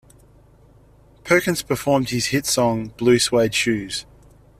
Perkins performed his hit song "Blue Suede Shoes".